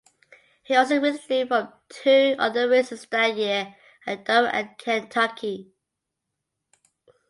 He also withdrew from two other races that year at Dover and Kentucky.